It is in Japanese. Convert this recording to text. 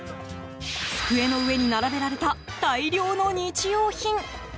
机の上に並べられた大量の日用品。